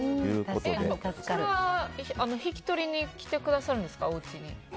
これは引き取りに来てくださるんですか、おうちに。